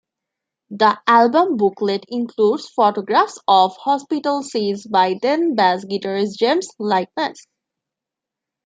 The album booklet includes photographs of hospital scenes by then-bass guitarist James Likeness.